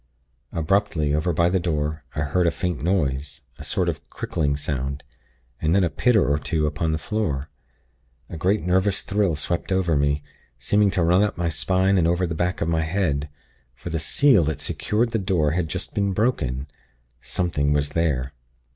"Abruptly, over by the door, I heard a faint noise a sort of crickling sound, and then a pitter or two upon the floor. A great nervous thrill swept over me, seeming to run up my spine and over the back of my head; for the seal that secured the door had just been broken. Something was there.